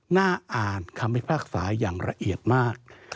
น่าอ่านคำพิพากษาอย่างละเอียดมาก